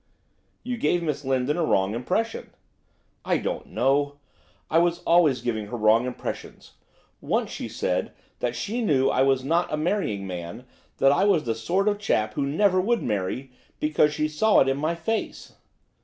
'You gave Miss Lindon a wrong impression.' 'I don't know. I was always giving her wrong impressions. Once she said that she knew I was not a marrying man, that I was the sort of chap who never would marry, because she saw it in my face.